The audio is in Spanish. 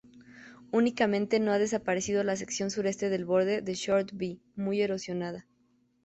Únicamente no ha desaparecido la sección sureste del borde de "Short B", muy erosionada.